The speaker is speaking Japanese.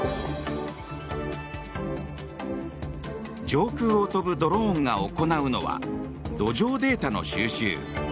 上空を飛ぶドローンが行うのは土壌データの収集。